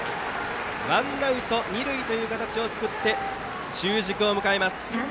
ワンアウト、二塁という形を作り中軸を迎えます。